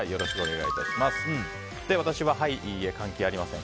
私は、はい、いいえ関係ありません